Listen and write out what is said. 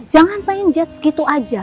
jangan pengen judge gitu aja